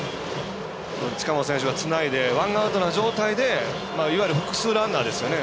近本選手がつないでワンアウトの状態で複数ランナーですよね。